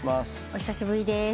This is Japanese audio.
お久しぶりです。